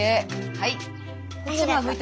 はい。